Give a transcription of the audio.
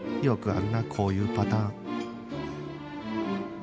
よくあるなこういうパターン